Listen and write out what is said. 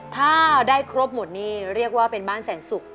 ถ้าได้ครบหมดนี่เรียกว่าเป็นบ้านแสนศุกร์